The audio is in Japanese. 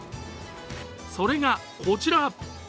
それがこちら。